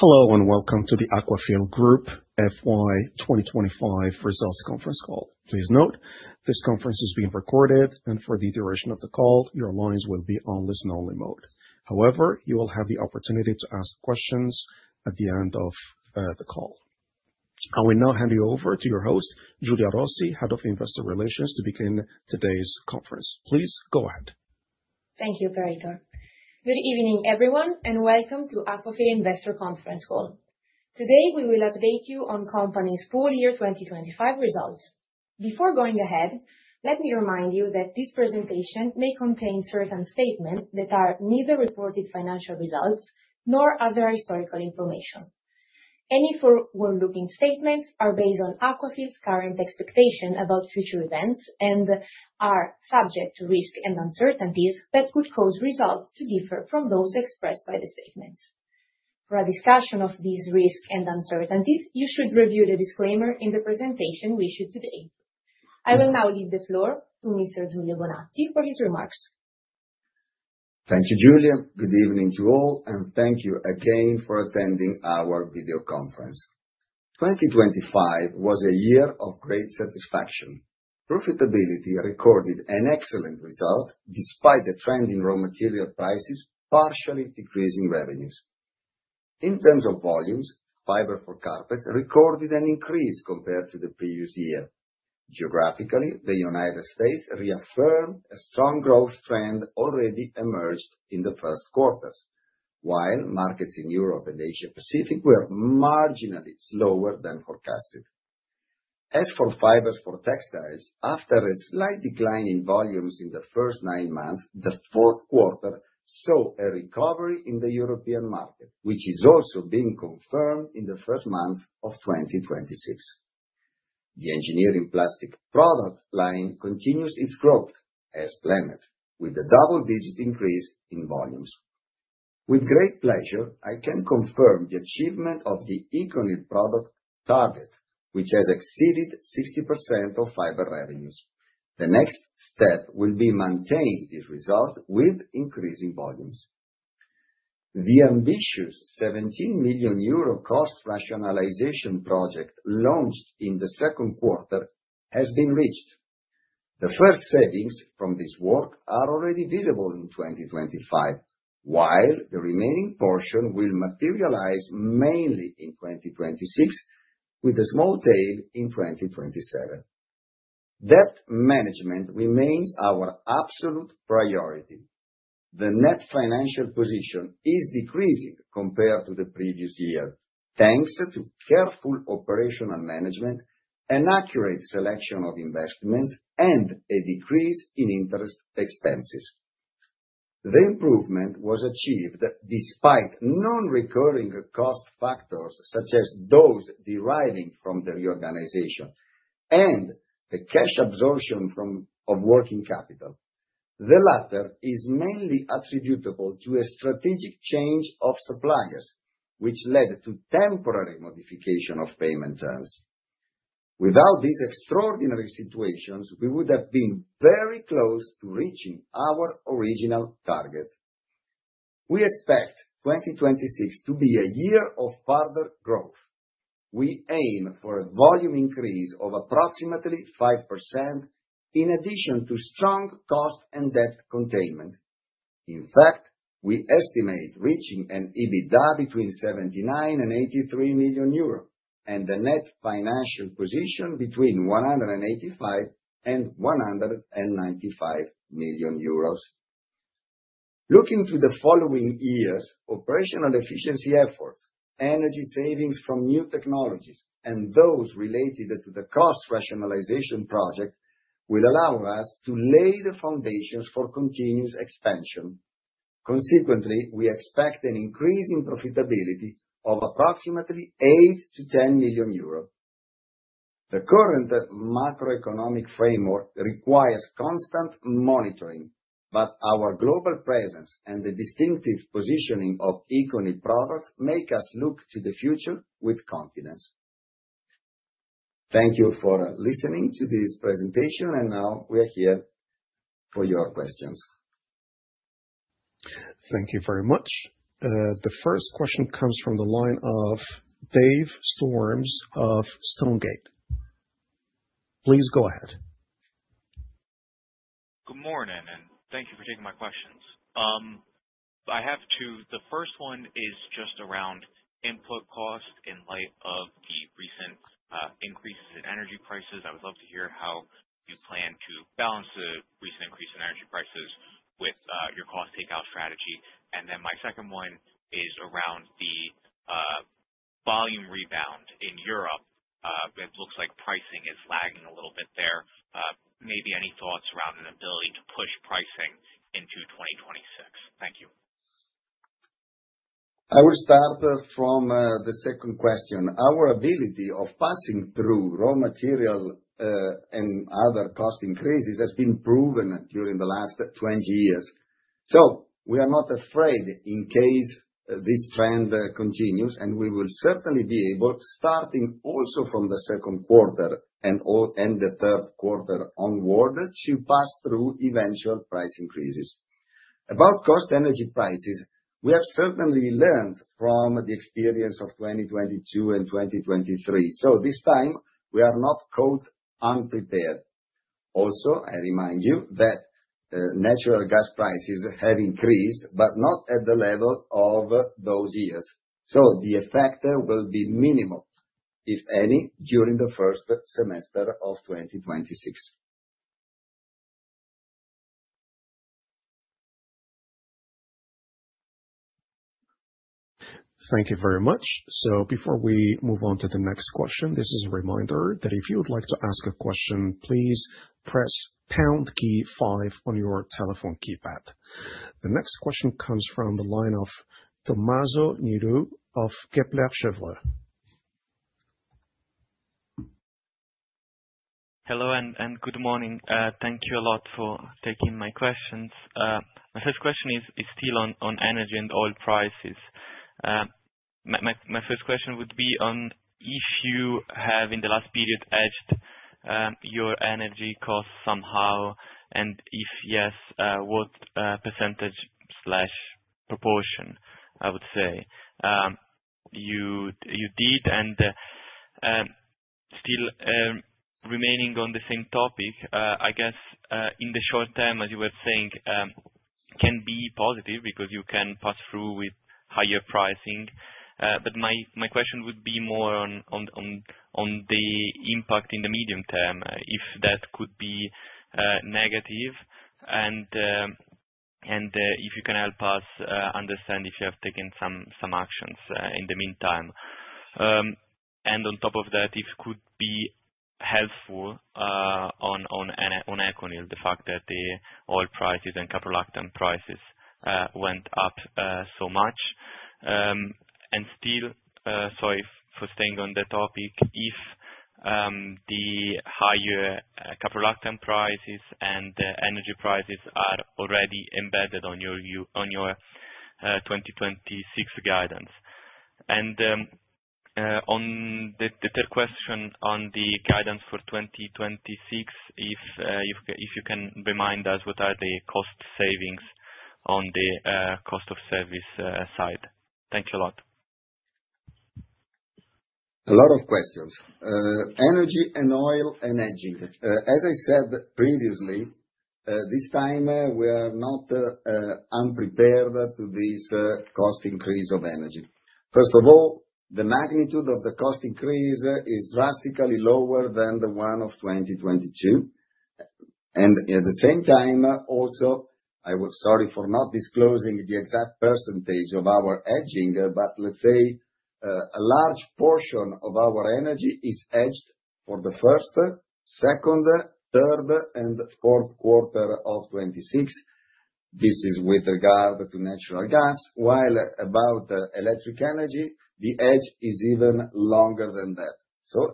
Hello, welcome to the Aquafil Group FY 2025 results conference call. Please note, this conference is being recorded, for the duration of the call, your lines will be on listen only mode. You will have the opportunity to ask questions at the end of the call. I will now hand you over to your host, Giulia Rossi, Head of Investor Relations, to begin today's conference. Please go ahead. Thank you, operator. Good evening, everyone, welcome to Aquafil Investor Conference Call. Today, we will update you on company's full year 2025 results. Before going ahead, let me remind you that this presentation may contain certain statements that are neither reported financial results nor other historical information. Any forward-looking statements are based on Aquafil's current expectation about future events and are subject to risks and uncertainties that could cause results to differ from those expressed by the statements. For a discussion of these risks and uncertainties, you should review the disclaimer in the presentation we issued today. I will now leave the floor to Mr. Giulio Bonazzi for his remarks. Thank you, Giulia. Good evening to all, thank you again for attending our video conference. 2025 was a year of great satisfaction. Profitability recorded an excellent result despite the trend in raw material prices partially decreasing revenues. In terms of volumes, fiber for carpets recorded an increase compared to the previous year. Geographically, the United States reaffirmed a strong growth trend already emerged in the first quarters, while markets in Europe and Asia Pacific were marginally slower than forecasted. As for fibers for textiles, after a slight decline in volumes in the first nine months, the fourth quarter saw a recovery in the European market, which is also being confirmed in the first month of 2026. The engineering plastic product line continues its growth as planned, with a double-digit increase in volumes. With great pleasure, I can confirm the achievement of the ECONYL product target, which has exceeded 60% of fiber revenues. The next step will be maintain this result with increasing volumes. The ambitious 17 million euro cost rationalization project launched in the second quarter has been reached. The first savings from this work are already visible in 2025, while the remaining portion will materialize mainly in 2026, with a small tail in 2027. Debt management remains our absolute priority. The net financial position is decreasing compared to the previous year, thanks to careful operational management, an accurate selection of investments, a decrease in interest expenses. The improvement was achieved despite non-recurring cost factors such as those deriving from the reorganization and the cash absorption of working capital. The latter is mainly attributable to a strategic change of suppliers, which led to temporary modification of payment terms. Without these extraordinary situations, we would have been very close to reaching our original target. We expect 2026 to be a year of further growth. We aim for a volume increase of approximately 5%, in addition to strong cost and debt containment. In fact, we estimate reaching an EBITDA between 79 million and 83 million euro, and a net financial position between 185 million and 195 million euros. Looking to the following years, operational efficiency efforts, energy savings from new technologies, and those related to the cost rationalization project will allow us to lay the foundations for continuous expansion. Consequently, we expect an increase in profitability of approximately 8 million to 10 million euros. Our global presence and the distinctive positioning of ECONYL products make us look to the future with confidence. Thank you for listening to this presentation. Now we are here for your questions. Thank you very much. The first question comes from the line of Dave Storms of Stonegate. Please go ahead. Good morning. Thank you for taking my questions. I have two. The first one is just around input cost in light of the recent increases in energy prices. I would love to hear how you plan to balance the recent increase in energy prices with your cost takeout strategy. My second one is around the volume rebound in Europe. It looks like pricing is lagging a little bit there. Maybe any thoughts around an ability to push pricing into 2026. Thank you. I will start from the second question. Our ability of passing through raw material and other cost increases has been proven during the last 20 years. We are not afraid in case this trend continues, and we will certainly be able, starting also from the second quarter and the third quarter onward, to pass through eventual price increases. About cost energy prices. We have certainly learned from the experience of 2022 and 2023. This time we are not caught unprepared. Also, I remind you that natural gas prices have increased, not at the level of those years. The effect will be minimal, if any, during the first semester of 2026. Thank you very much. Before we move on to the next question, this is a reminder that if you would like to ask a question, please press pound key five on your telephone keypad. The next question comes from the line of Tommaso Niro of Kepler Cheuvreux. Hello, good morning. Thank you a lot for taking my questions. My first question is still on energy and oil prices. My first question would be on if you have, in the last period, hedged your energy costs somehow, and if yes, what percentage/proportion, I would say, you did? Still remaining on the same topic, I guess, in the short term, as you were saying, can be positive because you can pass through with higher pricing. My question would be more on the impact in the medium term, if that could be negative. If you can help us understand if you have taken some actions in the meantime. On top of that, if it could be helpful on ECONYL®, the fact that the oil prices and caprolactam prices went up so much. Still, sorry for staying on the topic, if the higher caprolactam prices and energy prices are already embedded on your 2026 guidance. The third question on the guidance for 2026, if you can remind us what are the cost savings on the cost of service side. Thank you a lot. A lot of questions. Energy and oil and hedging. As I said previously, this time we are not unprepared to this cost increase of energy. First of all, the magnitude of the cost increase is drastically lower than the one of 2022. At the same time, also, sorry for not disclosing the exact percentage of our hedging, but let's say a large portion of our energy is hedged for the first, second, third and fourth quarter of 2026. This is with regard to natural gas. While about electric energy, the hedge is even longer than that.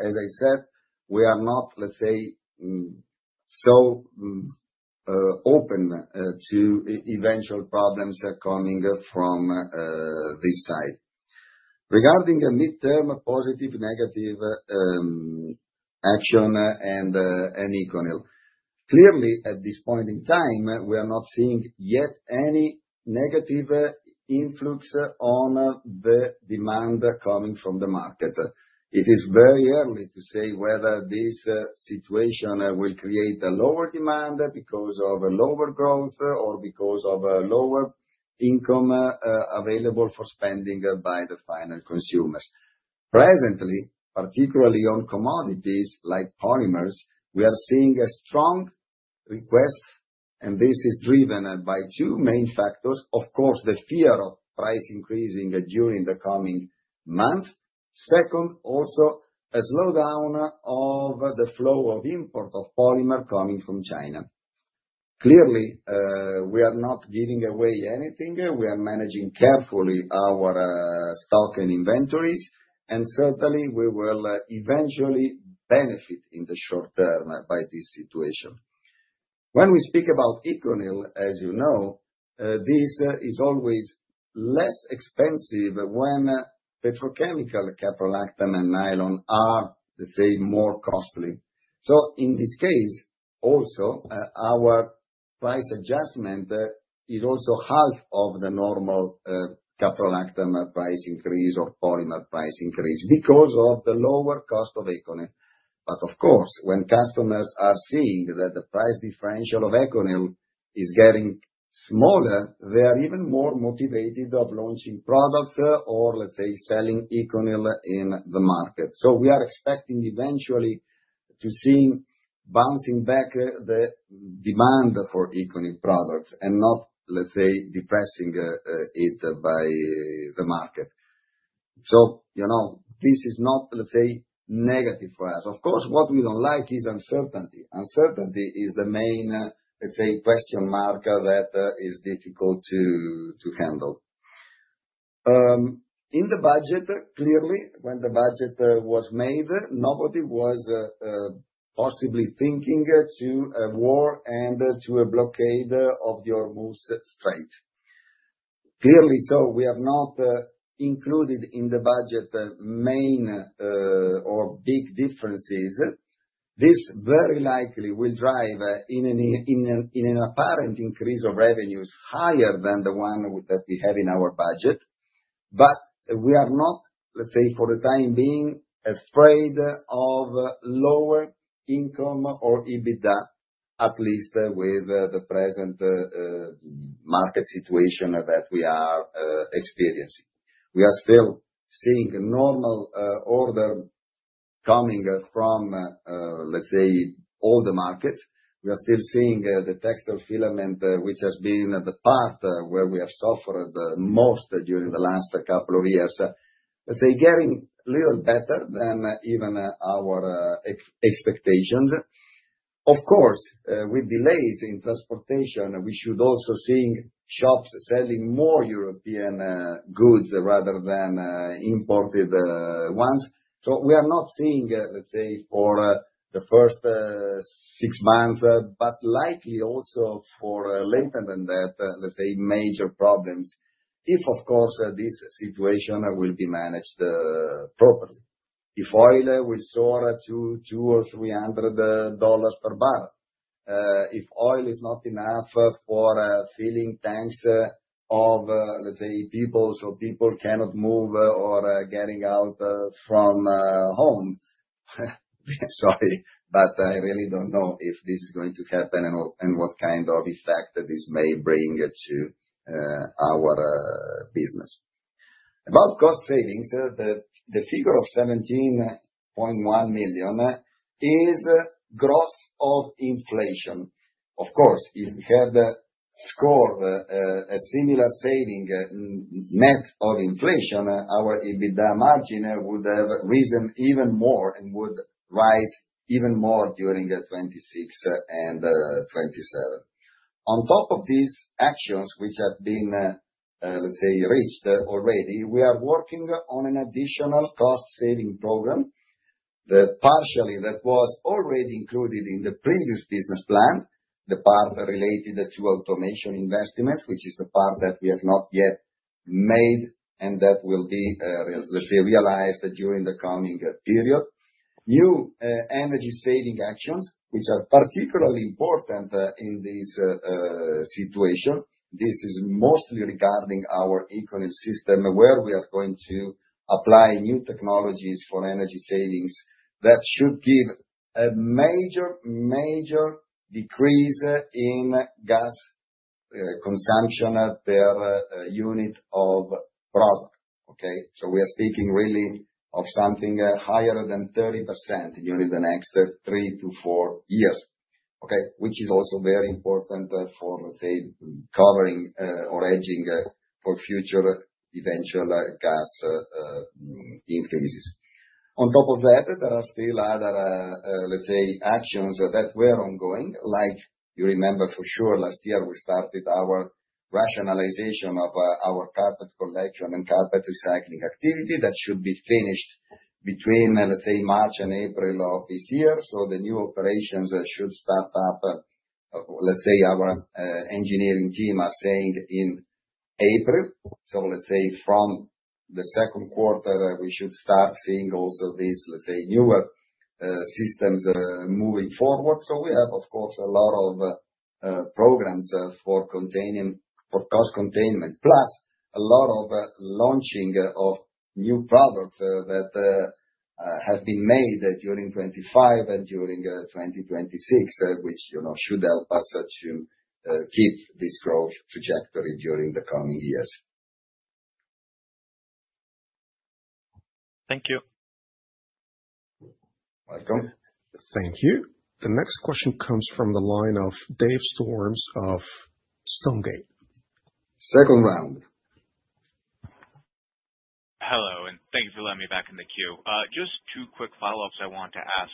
As I said, we are not, let's say, so open to eventual problems coming from this side. Regarding a midterm, positive, negative action and ECONYL®. Clearly, at this point in time, we are not seeing yet any negative influx on the demand coming from the market. It is very early to say whether this situation will create a lower demand because of lower growth or because of lower income available for spending by the final consumers. Presently, particularly on commodities like polymers, we are seeing a strong request. This is driven by two main factors. Of course, the fear of price increasing during the coming month. Second, also, a slowdown of the flow of import of polymer coming from China. Clearly, we are not giving away anything. We are managing carefully our stock and inventories, and certainly we will eventually benefit in the short term by this situation. When we speak about ECONYL, as you know, this is always less expensive when petrochemical caprolactam and nylon are, let's say, more costly. In this case, also, our price adjustment is also half of the normal caprolactam price increase or polymer price increase because of the lower cost of ECONYL. Of course, when customers are seeing that the price differential of ECONYL is getting smaller, they are even more motivated of launching products or let's say, selling ECONYL in the market. We are expecting eventually to seeing bouncing back the demand for ECONYL products and not, let's say, depressing it by the market. This is not, let's say, negative for us. Of course, what we don't like is uncertainty. Uncertainty is the main, let's say, question mark that is difficult to handle. In the budget, clearly, when the budget was made, nobody was possibly thinking to a war and to a blockade of your most strength. Clearly, we have not included in the budget main or big differences. This very likely will drive in an apparent increase of revenues higher than the one that we have in our budget. We are not, let's say, for the time being, afraid of lower income or EBITDA, at least with the present market situation that we are experiencing. We are still seeing normal order coming from all the markets. We are still seeing the textile filament, which has been the part where we have suffered the most during the last couple of years. Let's say, getting a little better than even our expectations. Of course, with delays in transportation, we should also seeing shops selling more European goods rather than imported ones. We are not seeing, let's say, for the first six months, but likely also for later than that, let's say major problems. If of course, this situation will be managed properly. If oil will soar to 200 or EUR 300 per barrel. If oil is not enough for filling tanks of, let's say, people, so people cannot move or getting out from home. Sorry, but I really don't know if this is going to happen and what kind of effect this may bring to our business. About cost savings, the figure of 17.1 million is gross of inflation. Of course, if we had scored a similar saving net of inflation, our EBITDA margin would have risen even more and would rise even more during 2026 and 2027. On top of these actions, which have been, let's say, reached already, we are working on an additional cost-saving program. Partially that was already included in the previous business plan, the part related to automation investments, which is the part that we have not yet made and that will be, let's say, realized during the coming period. New energy saving actions, which are particularly important in this situation. This is mostly regarding our ECONYL® Regeneration System, where we are going to apply new technologies for energy savings that should give a major decrease in gas consumption per unit of product. Okay? We are speaking really of something higher than 30% during the next three to four years. Okay? Which is also very important for, let's say, covering or hedging for future eventual gas increases. On top of that, there are still other, let's say, actions that were ongoing. Like you remember for sure, last year, we started our rationalization of our carpet collection and carpet recycling activity that should be finished between, let's say, March and April of this year. The new operations should start up, let's say our engineering team are saying in April. Let's say from the second quarter, we should start seeing also these, let's say, newer systems moving forward. We have, of course, a lot of programs for cost containment, plus a lot of launching of new products that have been made during 2025 and during 2026, which should help us to keep this growth trajectory during the coming years. Thank you. Welcome. Thank you. The next question comes from the line of Dave Storms of Stonegate. Second round. Hello, thank you for letting me back in the queue. Just two quick follow-ups I want to ask.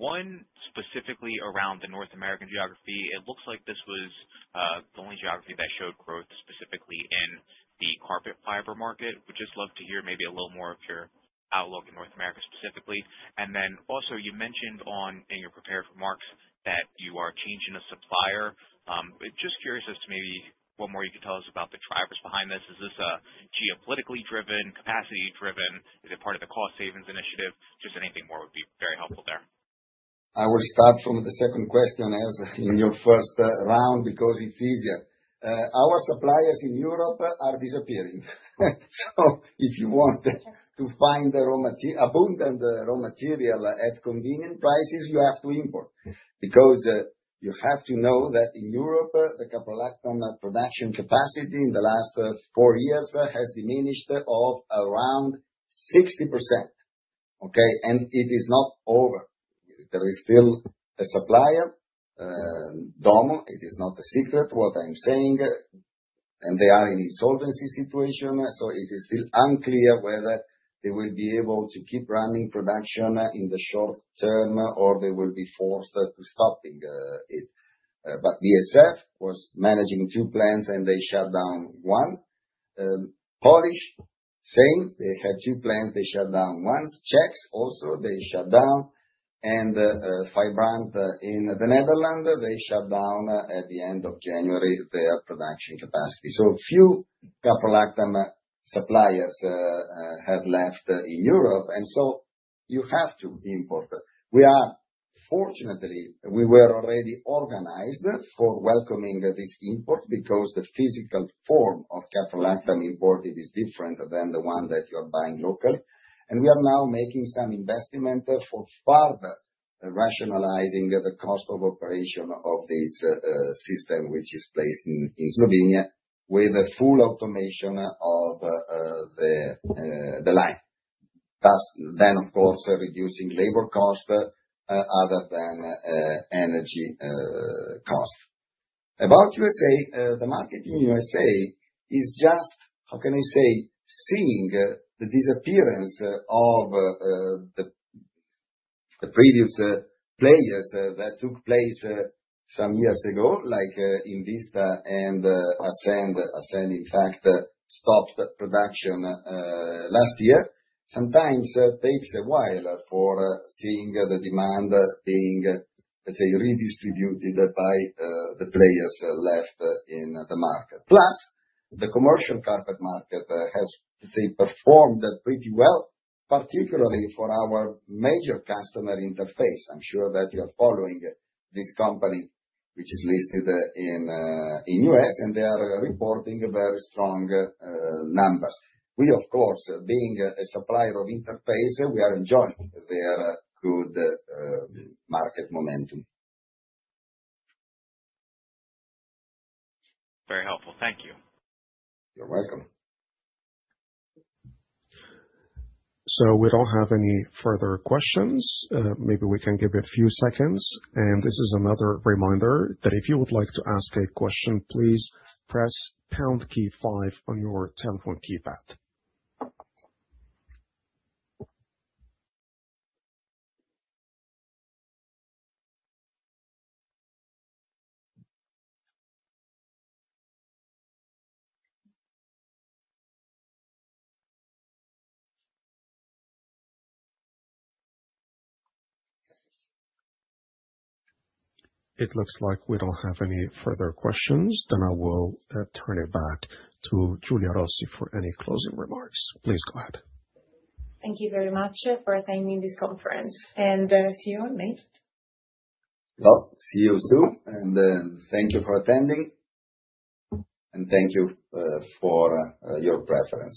One, specifically around the North American geography. It looks like this was the only geography that showed growth, specifically in the carpet fiber market. Would just love to hear maybe a little more of your outlook in North America specifically. Also you mentioned in your prepared remarks that you are changing a supplier. Just curious as to maybe what more you can tell us about the drivers behind this. Is this a geopolitically driven, capacity driven? Is it part of the cost savings initiative? Just anything more would be very helpful there. I will start from the second question as in your first round, it's easier. Our suppliers in Europe are disappearing. If you want to find abundant raw material at convenient prices, you have to import. You have to know that in Europe, the caprolactam production capacity in the last four years has diminished of around 60%. Okay? It is not over. There is still a supplier, Domo. It is not a secret what I'm saying. They are in insolvency situation, it is still unclear whether they will be able to keep running production in the short term, or they will be forced to stopping it. BASF was managing two plants and they shut down one. Polish, same. They had two plants, they shut down one. Czechs also, they shut down. Fibrant in the Netherlands, they shut down at the end of January, their production capacity. Few Caprolactam suppliers have left in Europe, you have to import. Fortunately, we were already organized for welcoming this import because the physical form of caprolactam imported is different than the one that you are buying local, we are now making some investment for further rationalizing the cost of operation of this system, which is placed in Slovenia with a full automation of the line. Of course, reducing labor cost other than energy cost. About USA, the market in USA is just, how can I say? Seeing the disappearance of the previous players that took place some years ago, like Invista and Ascend. Ascend, in fact, stopped production last year. Sometimes takes a while for seeing the demand being, let's say, redistributed by the players left in the market. The commercial carpet market has, let's say, performed pretty well, particularly for our major customer Interface. I'm sure that you're following this company, which is listed in U.S., they are reporting very strong numbers. We, of course, being a supplier of Interface, we are enjoying their good market momentum. Very helpful. Thank you. You're welcome. We don't have any further questions. Maybe we can give a few seconds, this is another reminder that if you would like to ask a question, please press pound key five on your telephone keypad. It looks like we don't have any further questions, I will turn it back to Giulia Rossi for any closing remarks. Please go ahead. Thank you very much for attending this conference, and see you in May. Well, see you soon, and thank you for attending, and thank you for your preference.